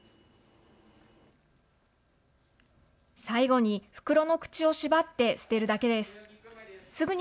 最後に袋の口を縛って捨てるだけです。